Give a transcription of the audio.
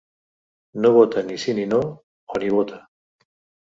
No vota ni sí ni no, o ni vota.